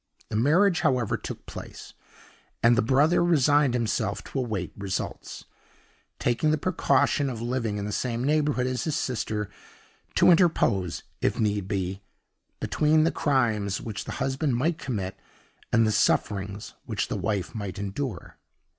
The marriage, however, took place, and the brother resigned himself to await results taking the precaution of living in the same neighborhood as his sister, to interpose, if need be, between the crimes which the husband might commit and the sufferings which the wife might endure.